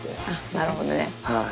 なるほどね。